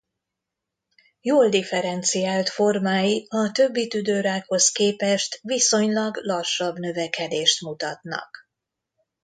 Jól differenciált formái a többi tüdőrákhoz képest viszonylag lassabb növekedést mutatnak.